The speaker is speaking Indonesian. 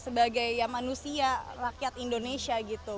sebagai manusia rakyat indonesia gitu